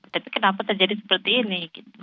tapi kenapa terjadi seperti ini